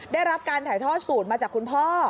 ได้รับการถ่ายทอดสูตรมาจากคุณพ่อ